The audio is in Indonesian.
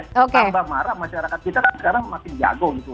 tambah marah masyarakat kita sekarang masih jago gitu